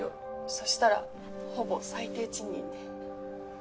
そしたらほぼ最低賃金で。